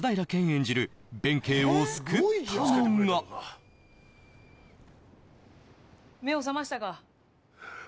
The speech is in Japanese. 演じる弁慶を救ったのが目を覚ましたか。